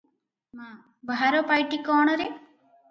ମା - ବାହାର ପାଇଟି କଣ ରେ?